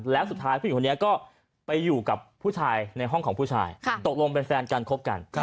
แล้วสุดท้ายผู้หญิงคนนี้ก็ไปอยู่กับผู้ชายในห้องของผู้ชายตกลงเป็นแฟนกันคบกัน